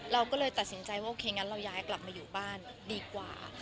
เราก็เลยตัดสินใจว่าโอเคงั้นเราย้ายกลับมาอยู่บ้านดีกว่า